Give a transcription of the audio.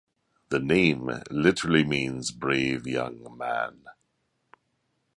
The name literally means "brave young man".